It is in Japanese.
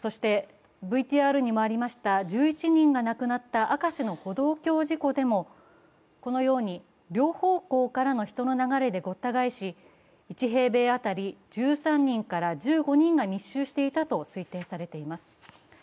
そして１１人が亡くなった明石の歩道橋事故でも、このように両方向からの人の流れでごった返し、１平米当たり１３人から１５人が密集していたと推定されています。